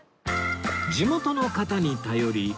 地元の方に頼り